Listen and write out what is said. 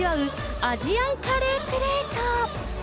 アジアンカレープレート。